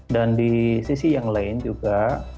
dan di sisi yang lain juga